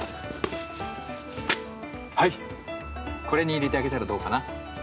これに入れてあげたらどうかな？